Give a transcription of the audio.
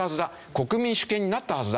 国民主権になったはずだ。